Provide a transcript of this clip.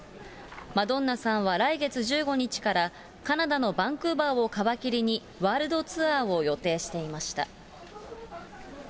マドンナさんは来月１５日から、カナダのバンクーバーを皮切りに、ワールドツアーを予定していました。